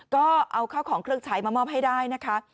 ก็เอาข้าวของเครื่องใช้มามอบให้ได้นะคะ